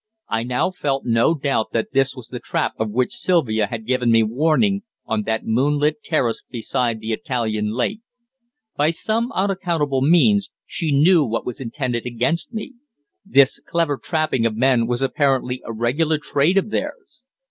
I now felt no doubt that this was the trap of which Sylvia had given me warning on that moonlit terrace beside the Italian lake. By some unaccountable means she knew what was intended against me. This clever trapping of men was apparently a regular trade of theirs!